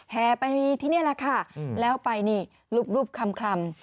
แห่ไปที่นี่แหละค่ะแล้วไปนี่รูปคลำ